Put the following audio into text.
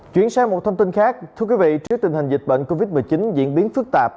chuyển sang một thông tin khác thưa quý vị trước tình hình dịch bệnh covid một mươi chín diễn biến phức tạp